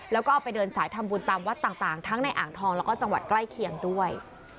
แล้วก็เอาไปเดินสายทำบุญตามวัดต่างทั้งในอ่างทองแล้วก็จังหวัดใกล้เคียงด้วย